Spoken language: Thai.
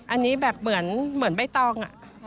อันนี้แบบเหมือนใบตอง